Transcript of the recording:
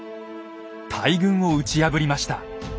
大軍を打ち破りました。